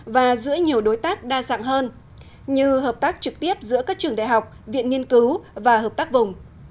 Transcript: và giữa nhiều đối tác đa dạng hơn như hợp tác trực tiếp giữa các trường đại học viện nghiên cứu và hợp tác vùng